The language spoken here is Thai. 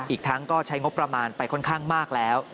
อีกทั้งก็ใช้งบประมาณไปค่อนข้างมากแล้ว